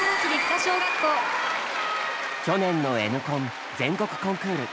去年の「Ｎコン」全国コンクール。